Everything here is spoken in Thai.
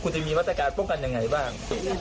คุณจะมีวัตถาการป้องกันอย่างไรบ้าง